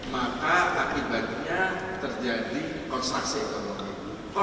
maka akibatnya terjadi konstruksi ekonomi